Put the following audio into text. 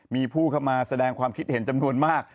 มีผู้เข้ามาแสดงความคิดเห็นจำนวนมาก